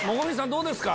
どうですか？